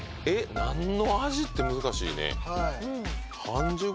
えっ？何の味って難しいね。